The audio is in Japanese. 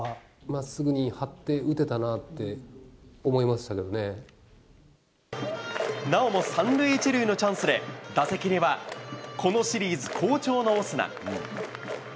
まっすぐにはって、打てたななおも３塁１塁のチャンスで、打席には、このシリーズ好調のオスナ。